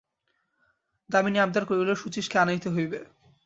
দামিনী আবদার করিল, শচীশকে আনাইতে হইবে।